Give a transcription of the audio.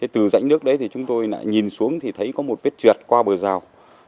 từ rãnh nước đấy chúng tôi nhìn xuống thấy có một vết trượt qua bờ rào